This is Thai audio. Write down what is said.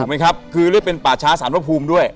ถูกไหมครับคือเป็นป่าช้าสารพระภูมิด้วย